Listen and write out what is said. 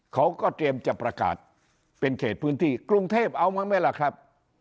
เขาก็เตรียมจะประกาศเป็นเขตพื้นที่กรุงเทพเอามั้งไหมล่ะครับ